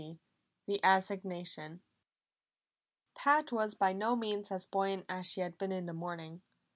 20 The Assignation Pat was by no means as buoyant as she had been in the morning.